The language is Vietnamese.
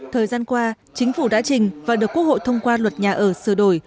thời gian qua chính phủ đã trình và được quốc hội thông qua luật nhà ở sửa đổi